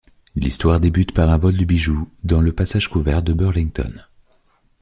L’histoire débute par un vol de bijoux dans le passage couvert de Burlington.